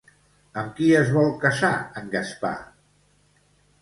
Amb qui es vol casar en Gaspar?